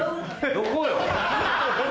どこよ？